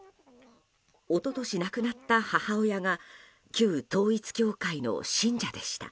一昨年亡くなった母親が旧統一教会の信者でした。